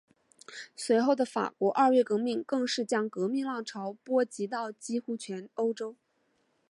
随后的法国二月革命更是将革命浪潮波及到几乎全欧洲。